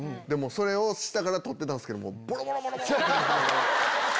それを下から撮ってたんすけどもうボロボロ泣きながら。